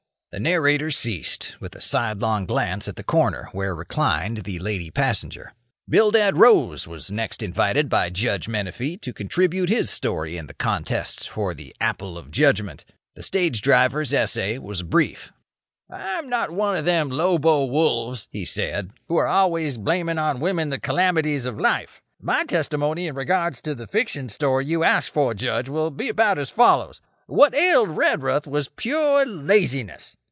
The narrator ceased, with a sidelong glance at the corner where reclined the lady passenger. Bildad Rose was next invited by Judge Menefee to contribute his story in the contest for the apple of judgment. The stage driver's essay was brief. "I'm not one of them lobo wolves," he said, "who are always blaming on women the calamities of life. My testimony in regards to the fiction story you ask for, Judge, will be about as follows: What ailed Redruth was pure laziness.